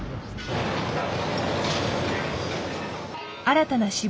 新たな渋